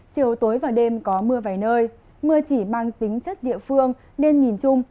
chiều tối và đêm có mưa vài nơi mưa chỉ mang tính chất địa phương nên nhìn chung